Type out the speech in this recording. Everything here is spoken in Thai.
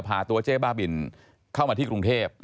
พาตัวเจ๊บ้าบินเข้ามาที่กรุงเทพ